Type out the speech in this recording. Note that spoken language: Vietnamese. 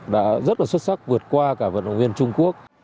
đã rất là xuất sắc vượt qua cả vận động viên trung quốc